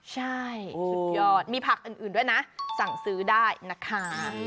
ใช่สุดยอดมีผักอื่นด้วยนะสั่งซื้อได้นะคะ